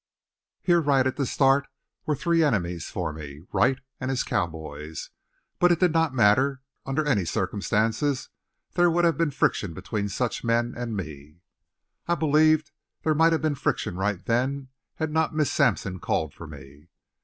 Here right at the start were three enemies for me Wright and his cowboys. But it did not matter; under any circumstances there would have been friction between such men and me. I believed there might have been friction right then had not Miss Sampson called for me.